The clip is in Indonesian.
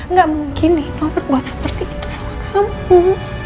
nggak mungkin nino berbuat seperti itu sama kamu